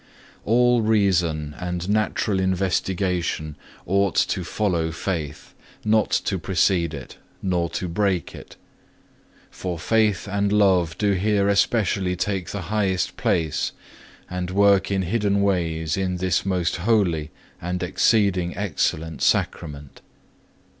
5. All reason and natural investigation ought to follow faith, not to precede, nor to break it. For faith and love do here especially take the highest place, and work in hidden ways in this most holy and exceeding excellent Sacrament.